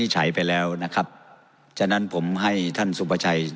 ฉัยไปแล้วนะครับฉะนั้นผมให้ท่านสุภาชัย